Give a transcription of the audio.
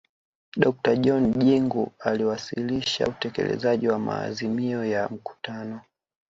dokta john jingu aliwasilisha utekelezaji wa maazimio ya mkutano